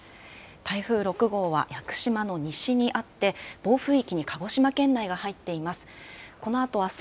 台風６号は屋久島の西にあって暴風域に鹿児島県内が入っています。